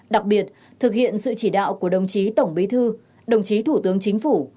đặc biệt thực hiện sự chỉ đạo của đồng chí tổng bí thư đồng chí thủ tướng chính phủ